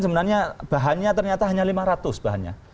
sebenarnya bahannya ternyata hanya lima ratus bahannya